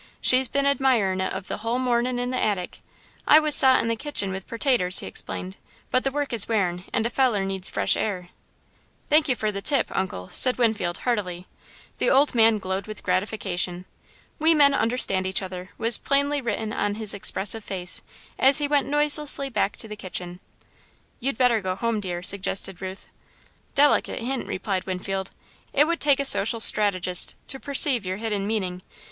She's been admirin' of it the hull mornin' in the attic. I was sot in the kitchen with pertaters," he explained, "but the work is wearin' and a feller needs fresh air." "Thank you for the tip, Uncle," said Winfield, heartily. The old man glowed with gratification. "We men understand each other," was plainly written on his expressive face, as he went noiselessly back to the kitchen. "You'd better go home, dear," suggested Ruth. "Delicate hint," replied Winfield. "It would take a social strategist to perceive your hidden meaning.